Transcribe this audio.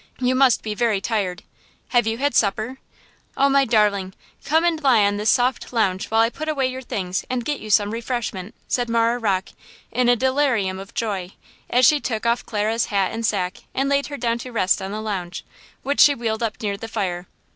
You must be very tired! Have you had supper? Oh, my darling, come and lie down on this soft lounge while I put away your things and get you some refreshment," said Marah Rocke, in a delirium of joy, as she took off Clara's hat and sack and laid her down to rest on the lounge, which she wheeled up near the fire.